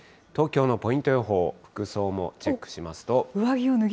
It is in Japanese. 東京のポイント予報、服装もチェックしますと。